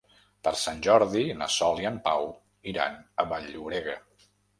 Per Sant Jordi na Sol i en Pau iran a Vall-llobrega.